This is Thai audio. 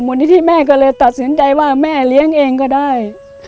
นิธิแม่ก็เลยตัดสินใจว่าแม่เลี้ยงเองก็ได้